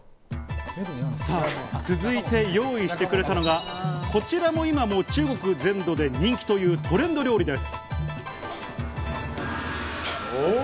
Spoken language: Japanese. さぁ、続いて用意してくれたのがこちらも今、中国全土で人気というトレンド料理です。